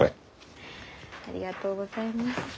ありがとうございます。